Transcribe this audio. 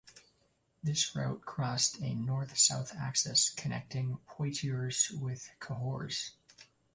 This route crossed a north-south axis, connecting Poitiers with Cahors.